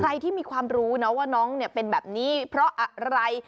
ที่มีความรู้นะว่าน้องเนี่ยเป็นแบบนี้เพราะอะไร